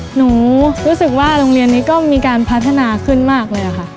หนูรู้สึกว่าโรงเรียนนี้ก็มีการพัฒนาขึ้นมากเลยค่ะ